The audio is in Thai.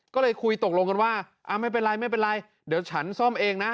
ก็เลยคุยตกลงกันว่าไม่เป็นไรไม่เป็นไรเดี๋ยวฉันซ่อมเองนะ